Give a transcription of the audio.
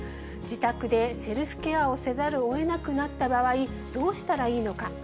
自宅でセルフケアをせざるをえなくなった場合、どうしたらいいのか。